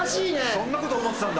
そんなこと思ってたんだ。